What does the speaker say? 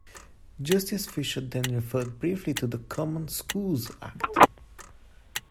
Justice Fisher then referred briefly to the "Common Schools Act".